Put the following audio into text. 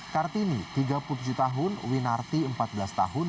kartini tiga puluh tujuh tahun winarti empat belas tahun